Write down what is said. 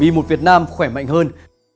vì một việt nam khỏe mạnh hơn